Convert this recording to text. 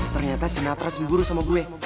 ternyata sinatra jengguruh sama gue